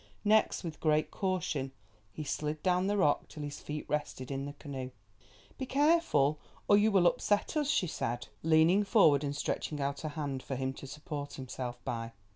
Next, with great caution, he slid down the rock till his feet rested in the canoe. "Be careful or you will upset us," she said, leaning forward and stretching out her hand for him to support himself by.